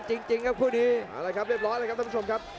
ตีอีกนิดเลยครับนะครับวันวิโย